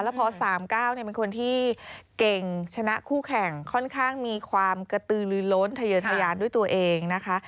แล้วพอ๓๙เป็นคนที่เก่งชนะคู่แข่งค่อนข้างมีความกระตือลือล้นทะเยินทะยานด้วยตัวเองนะคะ